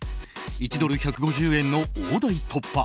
１ドル＝１５０円の大台突破。